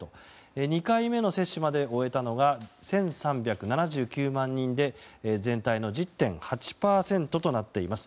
２回目の接種まで終えたのが１３７９万人で全体の１０．８％となっています。